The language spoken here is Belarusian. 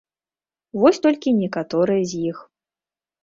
Вось толькі некаторыя з іх.